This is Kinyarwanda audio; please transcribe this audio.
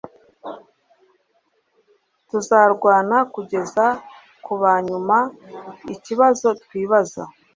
Tuzarwana kugeza ku ba nyuma ikibazo twibaza